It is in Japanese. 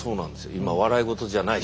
今笑い事じゃないし。